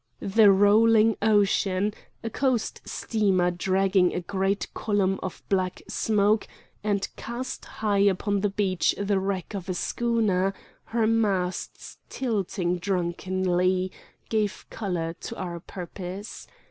The rolling ocean, a coast steamer dragging a great column of black smoke, and cast high upon the beach the wreck of a schooner, her masts tilting drunkenly, gave color to our purpose.